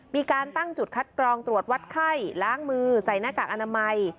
มีการตั้งจุดคัดกรองตรวจวัดไข้ล้างมือใส่หน้ากากอนามัย